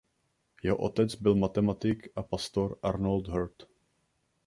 Jeho otec byl matematik a pastor Arnold Hurt.